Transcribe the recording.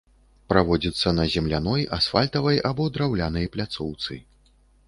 Праводзіцца на земляной, асфальтавай або драўлянай пляцоўцы.